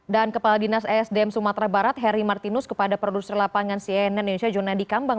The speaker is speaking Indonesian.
dan kepala dinas esdm sumatera barat heri martinus kepada produser lapangan cnn indonesia jonedi kambang